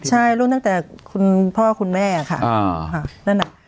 ใช่รุ่นตั้งแต่พ่อคุณแม่ค่ะ